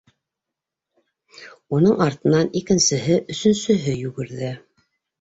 Уның артынан икенсеһе, өсөнсөһө йүгерҙе.